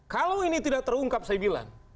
kalau ini tidak terungkap saya bilang